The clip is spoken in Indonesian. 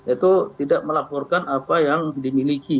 itu tidak melaporkan apa yang dimiliki